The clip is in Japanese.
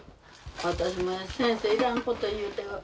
私も先生要らんこと言うて。